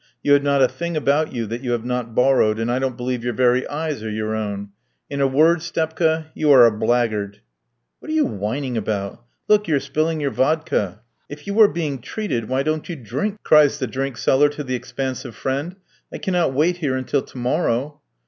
You have not a thing about you that you have not borrowed, and I don't believe your very eyes are your own. In a word, Stepka, you are a blackguard." "What are you whining about? Look, you are spilling your vodka." "If you are being treated, why don't you drink?" cries the drink seller, to the expansive friend. "I cannot wait here until to morrow."